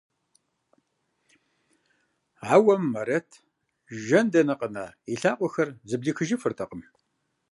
Ауэ Мерэт, жэн дэнэ къэна, и лъакъуэхэр зэблихыжыфыртэкъым.